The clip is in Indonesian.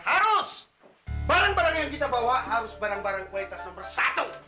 harus barang barang yang kita bawa harus barang barang kualitas nomor satu